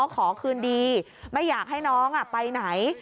ขอคืนดีไม่อยากให้น้องไปไหน